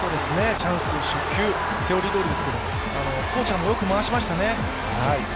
チャンス、初球、セオリーどおりですけど、コーチャーもよく回しましたね。